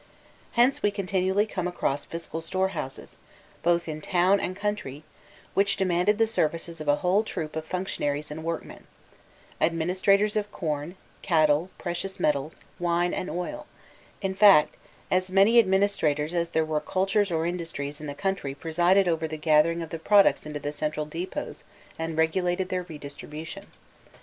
Hence we continually come across fiscal storehouses, both in town and country, which demanded the services of a whole troop of functionaries and workmen: administrators of corn, cattle, precious metals, wine and oil; in fine, as many administrators as there were cultures or industries in the country presided over the gathering of the products into the central depots and regulated their redistribution.